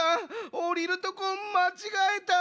おりるとこまちがえた！